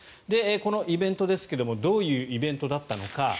このイベントですがどういうイベントだったのか。